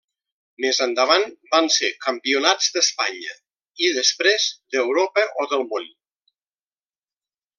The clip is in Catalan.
Més endavant, van ser campionats d'Espanya i després d'Europa o del Món.